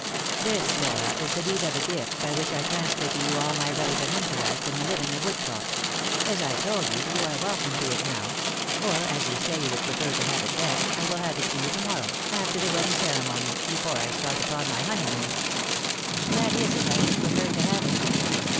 " This, Laura, is the deed of gift by which I transfer to you all my right and interest in the living of Wood cote. As I told you, you are welcome to it now ; or, as you say you would prefer to have it then, I will hand it to you to morrow, after the wedding cere mony, before I start upon my honeymoon." "That is as I should prefer to have it."